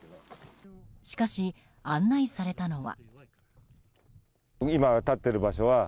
しかし、案内されたのは。